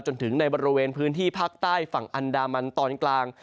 จนถึงในบริเวณพื้นที่ภาคใต้ฝั่งอันดามันตอนกลาง